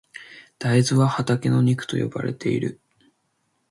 大豆は畑の肉と呼ばれている。